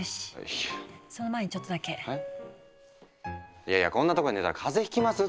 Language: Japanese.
いやいやこんな所で寝たら風邪ひきますって！